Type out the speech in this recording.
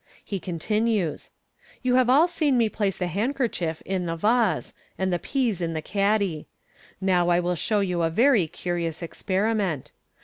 He continues, " You have all seen me place the handkerchief m the vase, and the peas in the caddy. Now I will show you a very curious experiment.